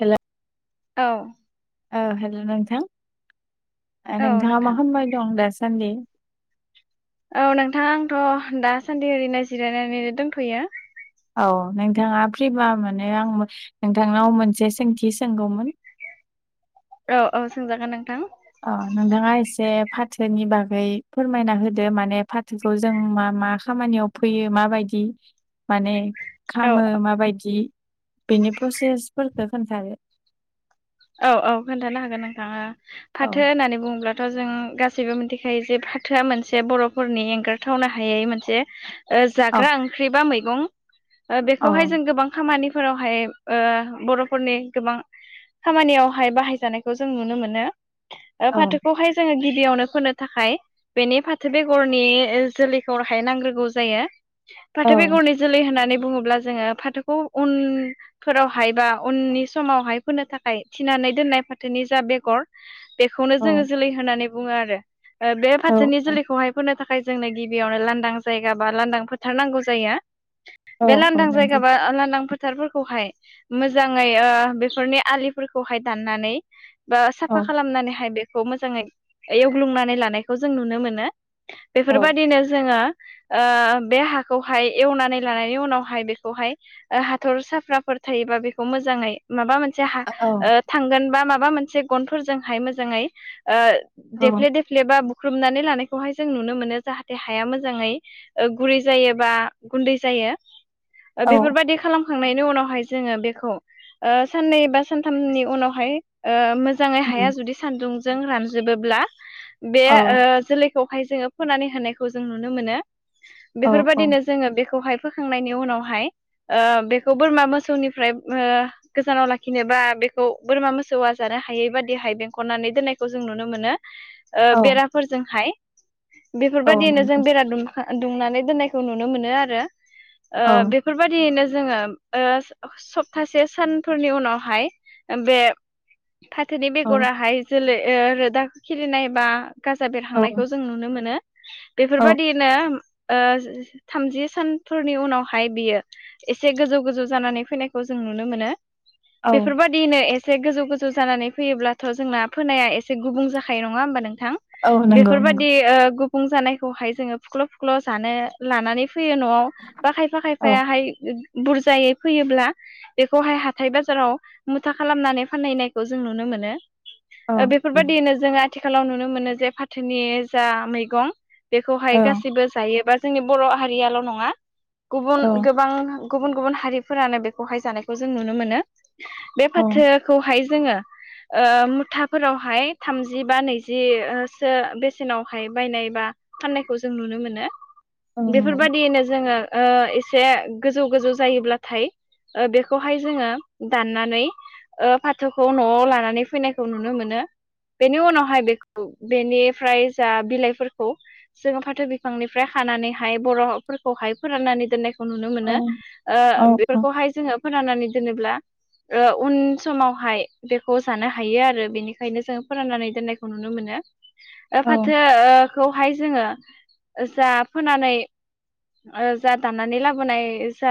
Hello औ ओ hello नोंथां औ नोंथांङा मा नोंथां खालामबाय दं दासान्दि औ नोंथां आंथ' दासान्दि ओरैनो जिरायनानै दंथ'यो औ नोंथाङा फ्रिबा माने आं नोंथांनाव मोनसे सोंथि सोंगौमोन औ औ सोंजागोन नोंथां अ नोंथांङा एसे फाथोनि बागै फोरमायना होदो माने फाथो खौ जों मा मा खामानियाव फैयो माबायदि माने औ खामो माबायदि बेनि प्रसेसफोरखौ खोन्थादो औ औ खोन्थानो हागोन नोंथां औ फाथो होननानै बुङोब्ला थाजों गासैबो मिथिखायो जे फाथोआ मोनसे बर'फोरनि एंगारथावनो हायै मोनसे ओ औ जाग्रा ओंख्रि बा मैगं औ बेखौहाय जों गोबां खामानिफोरावहाय ओ बर'फोरनि गोबां खामानियावहाय बाहायजानायखौ जों नुनो मोनो ओ औ फाथोखौहाय जोङो गिबियावनो फोनो थाखाय बेनि फाथो बेगरनि जोलैखौ हाय नांग्रोगौ जायो फाथो बेगरनि जोलै होननानै बुङोब्ला जोङो फाथोखौ उन फोरावहाय बा उननि समावहाय फोनो था खाय थिनानै दोननाय फाथोनि जा बेगर बेखौनो औ जोङो जोलै होनानै बुङो आरो ओ बे औ फाथोनि औ जुलैखौहाय फोनो थाखाय जोंनो गिबियावनो लांदां जायगा बा लांदां फोथार नांगौ जायो औ बे औ लांदां जायगा नंगौ बा लांदां फोथारफोरखौहाय मोजाङै ओ बेफोरनि आलि फोरखौहाय दाननानै बा साफा औ खालामनानैहाय बे खौ मोजाङै एवग्लुंनानै लानायखौ जों नुनो मोनो औ बेफोरबायदिनो जोङो ओ बे हाखौहाय एवनानै लानायनि उनावहाय बेखौहाय ओ हाथर साफ्राफोर थायोबा बेखौ मोजाङै माबा मोनसे हा औ ओ थांगोन बा माबा मोनसे गनफोरजोंहाय मोजाङै ओ औ देफ्ले दे फ्लेबा बुख्रुबनानै लानायखौहाय जों नुनो मोनो जाहाथे हाया मोजाङै ओ गुरै जायो बा गुन्दै जायो औ बेफोरबायदि खालामखांनायनि उनावहाय जोङो बेखौ साननै बा सानथामनि उनावहाय मोजाङै हाया उम जुदि सान्दुंजों रानजोबोब्ला बे अ जोलैखौहाय जोङो फोनानै होनायखौ जों नुनो मोनो औ औ बेफोरबायदिनो जोङो बेखौहाय फोखांनायनि उनावहाय बेखौ बोरमा मोसौनिफ्राय गोजानाव लाखि लाखिनोबा बेखौ बोरमा मोसौआ जानो हायै बादिहाय बेंखननानै दोननायखौ जों नुनो मोनो औ बेराफोरजोंहाय औ बेफोरबायदियैनो जों नंगौ बेरा दुम दुंनानै दोननायखौ नुनो मोनो आरो औ बेफोरबायदियैनो जोङो सप्तासे सानफोरनि उनावहाय बे फाथोनि औ बेगराहाय जोलै रोदा खिलिनाय बा गाजा औ बेरहांनायखौ जों नु नुनो मोनो औ बेफोरबायदि नो थामजि सानफोरनि उनावहाय बियो एसे गोजौ गोजौ जानानै फैनायखौ जों नुनो मोनो औ बेफोरबायदि दिनो एसे गोजौ गोजौ जानानै फैयोब्लाथ' जोंना फोनाया एसे गुबुं जाखायो नङा होमबा नोंथां औ नंगौ नंगौ बेफोरबायदि गुबुं जानायखौहाय जोङो फुख्ल' फुख्ल' जानो लानानै फैयो न'वाव बा खायफा औ खायफायाहाय बुरजायै फैयोब्ला बेखौहाय हाथाय बाजाराव मुथा खालामनानै फाननाय नायखौ जों नुनो मोनो औ ओ औ बेफोरबायदियैनो जों आथिखालाव नुनो मोनो जे फाथोनि जा मैगं बेखौहाय औ गासैबो जायोबा जोंनि बर' हारियाल' नङा गुबुन गोबां गुबुन गुबुन हारिफोरानो बेखौहाय जानायखौ जों नुनो मोनो बे औ फाथोखौहाय जोङो ओ मुथाफोरावहाय थामजि बा नैजिसो बेसेनावहाय बायनाय बा फाननायखौ जों नुनो मोनो औ नंगौ बेफोरबायदियैनो जोङो एसे गोजौ गोजौ जायोब्लाथाय बेखौहाय जोङो दाननानै फाथोखौ न'आव लानानै फैनायखौ नुनो मोनो बेनि उनावहाय बेखौ बेनिफ्राय जा बिलाइफोरखौ जोङो फाथो बिफांनिफ्राय खानानैहाय बर'फोरखौहाय फोराननानै दोननाय खौ नुनो औ मोनो औ औ बेफोरखौहाय जोङो फोरोनानानै दोनोब्ला उन समावहाय बेखौ जानो हायो आरो बेनिखायनो जों फोराननानै दोननायखौ नुनो मोनो ओ फाथोखौहाय जोङो जा फोनानै ओ जा दानानानै लाबोनाय जा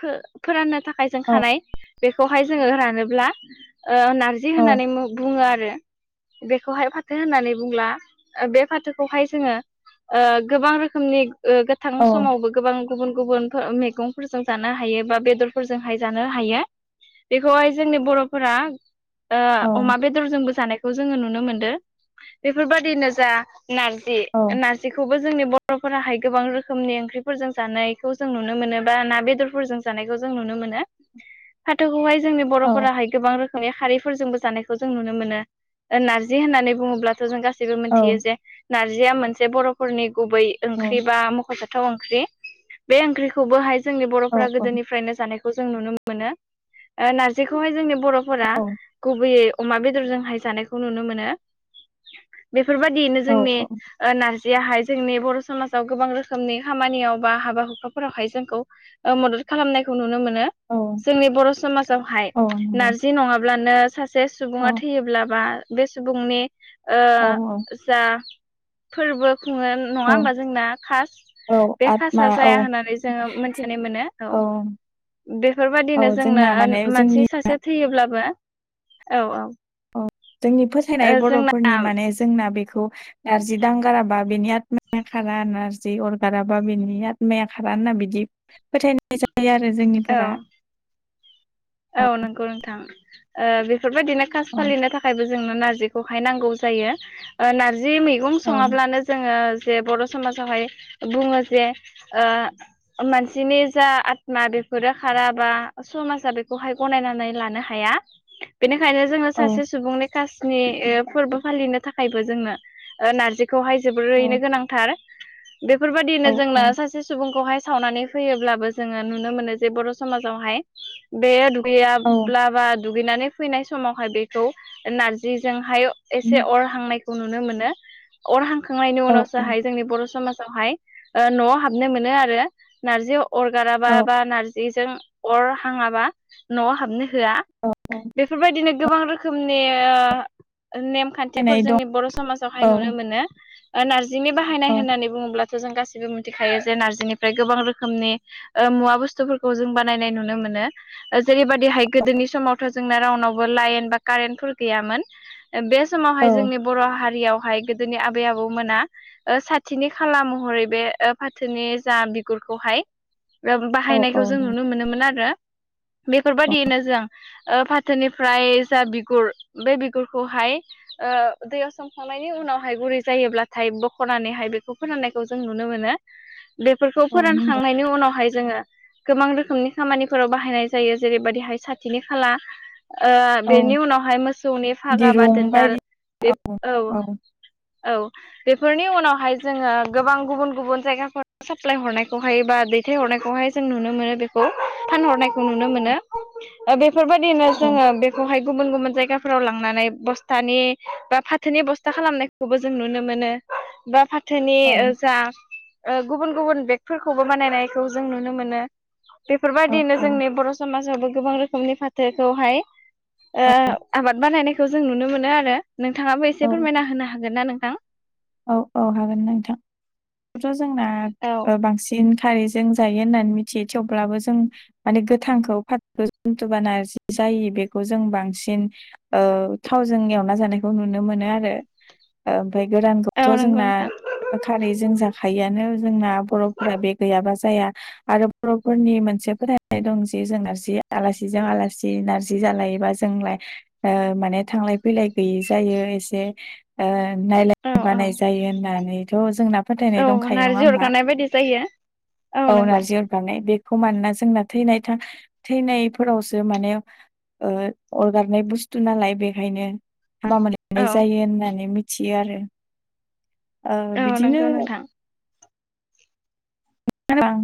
फो फोराननो थाखाय आखाइजों खानाय बेखौहाय जोङो रानोब्ला ओ नारजि औ होनानै बुङो आरो बेखौहाय फाथो होननानै बुंला बे फाथोखौहाय जोङो ओ गोबां रोखोमनि गो थां औ समावबो गोबां गुबुन गुबुन मैगंफोरजों जानो हायो बा बेदरफोरजोंहाय जानो हायो बेखौहाय जोंनि बर'फोरा औ औ ओ अमा बेदरजोंबो जानाय खौ जोङो नुनो मोनदो बेफोरबायदिनो जा नारजि ना रजिखौबो जोंनि बर'फोराहाय गोबां रोखोमनि ओंख्रिफोरजों जानायखौ जों नुनो मोनो बा ना बेदरफोरजों जानायखौ जों नुनो मोनो फाथोखौहाय जोंनि नंगौ बर'फोराहाय गोबां रोखोमनि खारिफोरजोंबो जानायखौ जों नुनो मोनो नारजि होननानै बुङोब्लाथ' जों गासै बो मिथियो जे नारजिया मोनसे बर'फोरनि गुबै ओंख्रि बा मख'जा थाव ओंख्रि बे ओंख्रिखौबोहाय जोंनि औ बर'फोरा गोदोनिफ्रायनो जानायखौ जों नुनो मोनो। ओ नारजिखौहाय जोंनि बर'फोरा गुबैयै अमा बेदरजोंहाय जानायखौ नुनो मोनो बेफोरबायदियैनो जोंनि ओ नारजियाहाय जोंनि बर' समाजाव गोबां रोखोमनि खामानियाव बा हाबा हुखाफोरावहाय जोंखौ ओ मदद खालामनायखौ नुनो मोनो जोंनि बर' समाजावहाय नारजि नङाब्लानो सा से सुबुङा औ थैयोब्ला बा बे सुबुंनि ओ जा फोरबो खुङो नङा औ ओमबा जोंना खास औ बे आतमा कासा औ जाया होननानै जोङो मोनथिनो मोनो औ बेफोरबादिनो औ जोंनो जोंना माने जोंनि मानसि सासे थैयोब्लाबो औ औ औ जोंनि फोथायनाय ओ जोंना बर'फोरनि माने जोंना बेखौ नारजि दांगाराबा बिनि आतमाया खारा नारजि अरगाराबा बिनि आतमाया खारा होनना बिदि फोथायनाय जायो आरो औ जोंनिफोरा औ नंगौ नोंथां ओ बेफोरबायदिनो कास औ फालिनो थाखायबो जोंनो नारजिखौहाय नांगौ जायो नारजि ओ मैगं औ सङाब्लानो जोङो जे बर' समाजावहाय बुङो जे ओ मानसिनि जा आतमा बेफोरो खाराबा समाजा बे खौहाय गनायनानै लानो हाया बेनिखायनो जोङो सासे सुबुंनि कासनि फोरबो फालिनो थाखायबो जोनो ओ नारजि खौहाय जोबोरैनो औ गोनांथार बेफोरबायदिनो औ जोंनो सासे सुबुंखौहाय सावनानै फैयोब्लाबो जोङो नुनो मोनो जे बर' समाजावहाय बे औ दुगैयाब्लाबा दुगैनानै फैनाय समावहाय बेखौ नारजिजोंहाय एसे अर हांनायखौ नुनो मोनो अर हांखांनायनि औ औ उनावसोहाय जोंनि बर' समाजावहाय न'आव हाबनो मोनो आरो नारजि अरगाराबा औ बा नारजि जेजों अर हाङाबा न'आव हाबनो होआ फोथायनाय बेफोरबायदिनो गोबां रोखोमनि नेम खान्थिफोर दं जोंनि बर' समाजावहाय औ नुनो मोनो नारजिनि बाहायनाय औ होननानै बुङोब्ला जों गासिबो मिथिखायो जे नारजिनिफ्राय गोबां रोखोमनि मुवा बुस्थुफोरखौ जों बानायनाय नुनो मोनो जेरैबायदिहाय गोदोनि समावथ' जोंना राउन्डावबो लाइन बा कारेन्टफोर गैयामोन बे समावहाय औ जोंनि बर' हारियावहाय गोदोनि आबै आबौमोना ओ साथिनि खाला महरै बे फाथोनि जा बिगुरखौहाय औ बाहायनायखौ औ जों नंगौ नुनो मोनोमोन आरो बेफोरबायदियैनो जों ओ फाथोनिफ्राय जा बिगुर बे बिगुरखौहाय ओ दैयाव सोम ब्रखांनायनि उनावहाय गुरै जायोब्लाथाय बख'नानैहाय बेखौ फोरोननायखौ जों नुनो मोनो। बेफोरखौ औ नंगौ फोरानखांनायनि उनावहाय जोङो गोबां रोखोमनि खामानि फोराव बाहायनाय जायो जेरैबायदिहाय साथिनि खाला औ बेनि उनावहाय मोसौनि फागा बा दिरुं दोनदाल बायदि बे औ औ बेफोरनि उनावहाय जोङो गोबां गुबुन गुबुन जायगाफोर साप्लााय हरनायखौहायो बा दै फिथायहरनायखौहाय जों नुनो मोनो बेखौ फानहरनायखौ नुनो मोनो बेफोरबायदिनो औ जोङो बे हाय गुबुन गुबुन जायगाफोराव लांनानै बस्थ बा फाथोनि बस्था खालामनाय खौबो जों नुनो मोनो बा फा थोनि औ जा गुबुन गुबुन बेगफोरखौबो बानायनायखौ जों नुनो मोनो बेफोरबायदिनो औ जोंनि बर' समाजावबो गोबां रोखोमनि फाथोखौहाय आबाद बानायनायखौ जों नुनो मोनो आरो नोंथाङाबो एसे फोरमायना होनो हागोन ना नोंथां औ औ हागोन नोंथां खौथ' जोंना औ बांसिन खारैजों जायो होननानै मिथियो थेवब्लाबो जों माने गोथांखौ फाथखौ जुथुबाना जायो बेखौ जों बांसिन थावजों एवना जानायखौ नुनो मोनो आरो ओमफ्राय गोरान थ' औ नंगौ जोंना नोंथां खारै जों जाखायोआानो जोंना बर'फोरा बे गैयाबा जाया आरो बर'फोरनि मोनसे फोथायनाय दं जे जों नारजि आलासिजों आलासि नारजि जालायोबा जोंलाय माने थांलाय फैलाय गैयै जायो एसे औ नायलाय औ बानाय जायो होननानैथ' जोंना फोथायनाय औ दंखायो नङा नारजि हबा अरगानाय बायदि जायो औ नारजि अ जानाय बेखौ मानोना जोंना थैनाय थैनायफोरावसो माने ओ अरगारनाय बुस्थु नालाय बेखायनो हामा मोनो औ नाय जायो होननानै मिथियो आरो ओ औ बिदिनो नंगौ नोंथां आं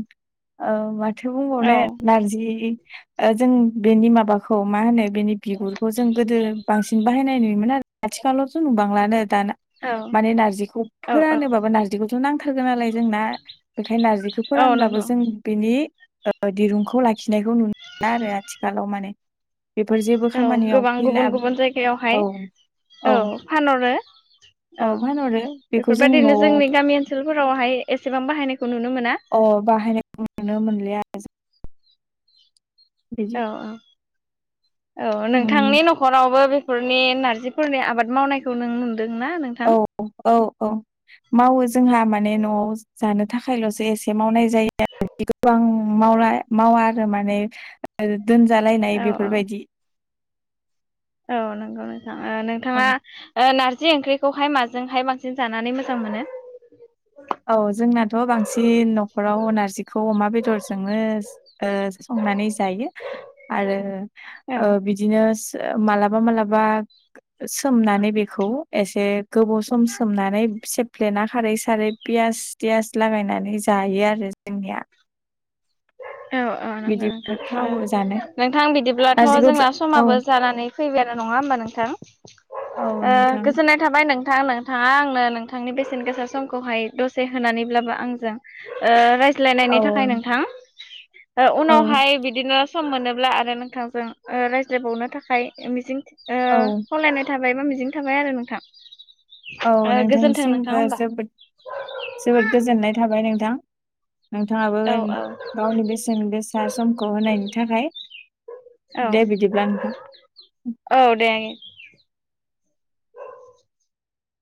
ओ माथो औ बुंबावनो नारजि ओ जों बेनि माबाखौ मा होनो बेनि बिगुरखौ जों गोदो बांसिन बाहाय नाय नुयोमोन आरो आथिखालावथ' नुबांलानो दाना औ माने नारजिखौ औ फोरानोबाबो नारजिखौथ' नांथारगोन नालाय जोंना बेखायनो नारजि औ औ फोरानब्लाबो नंगौ जों बेनि दिरुंखौ लाखिनायखौ नुनो‌ आरो आथिखालाव माने बेफोर जेबो औ खामानियाव गोबां फैला गुबुन गुबुन जायगायावहाय औ औ फानहरो औ फानहरो बेखौ जों बेफोरबायदिनो न'आव जोंनि गामि ओनसोलफोरावहाय एसेबां बाहायनायखौ नुनो मोना अ बाहायनायखौ नुनो मोनलिया आरो जों बिदि औ औ उम, नोंथांनि न' खरावबो बेफोरनि नारजिफोरनि आबाद मावनायखौ नों नुदोंना नों औ औ औ मावो जोंहा माने न'आव जानो थाखायल'सो एसे मावनाय जायो आरो गोबां मावला मावा आरो माने दोनजालायनाय औ औ बेफोरबायदि औ नंगौ नोंथां ओ औ नोंथाङा ओ नारजि ओंख्रिखौहाय माजोंहाय बांसिन जानानै मोजां मोनो औ जोंनाथ' बांसिन न'खराव नारजिखौ अमा बेदरजोंनो ओ संनानै जायो आरो औ ओ बिदि दिनो मालाबा मालाबा सोमनानै बेखौ एसे गोबाव सम सोमनानै सेफ्लेना खारै सारै पियास थियास लागायनानै जायो आरो जोंनिया औ औ नंगौ बिदिबो नोंथां थावो जानो नोंथां बिदिब्लाथ' नारजिखौ जोंना औ समाबो जानानै फैबायानो नङा होमबा नोंथां औ ओ नोंथां गोजोननाय थाबाय नोंथां नोंथाङा आंनो नोंथांनि बेसेन गोसा समखौहाय दसे होनानैब्लाबो आंजों ओ रायज्लायनायनि औ थाखाय नोंथां ओ औ उनावहाय बिदिनो सम मोनोब्ला आरो नोंथांजों रायज्लायबावनो थाखाय मिजिं ओ औ खावलायनाय थाबाय बा मिजिं थाबाय आरो नोंथां औ ओ गोजोन्थों नोंथां नोंथांसिमबो होमबा जोबोद जोबोद गोजोननाय थाबाय नोंथां नोंथाङाबो औ औ गावनि बेसेन गोसा समखौ होनायनि थाखाय दे औ बिदिब्ला नोंथां औ दे